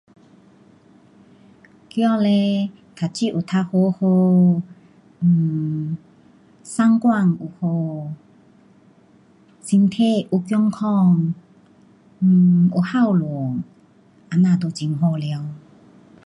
儿呢读书有读好好 um 三观好，身体有健康 um 有孝顺，这样就很好了。